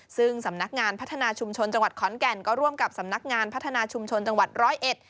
ซึ่งสำนักงานพัฒนาชุมชนจังหวัดขอนแก่นก็ร่วมกับสำนักงานพัฒนาชุมชนจังหวัดร้อยเอ็ด